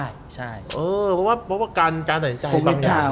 เพราะว่าการแต่งใจ